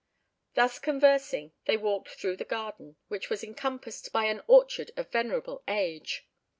Thus conversing, they walked through the garden, which was encompassed by an orchard of venerable age.